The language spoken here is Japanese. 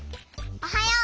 おはよう！